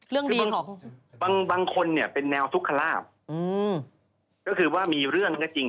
เรื่องดีของบางบางคนเนี้ยเป็นแนวทุกขลาดอืมก็คือว่ามีเรื่องก็จริง